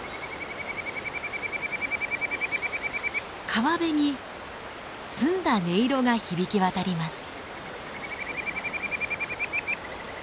川辺に澄んだ音色が響き渡ります。